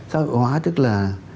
xã hội hóa tức là